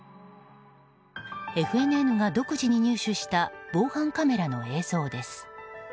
ＦＮＮが独自に入手した防犯カメラの映像です。